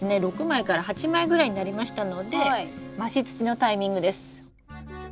６枚から８枚ぐらいになりましたので増し土のタイミングです。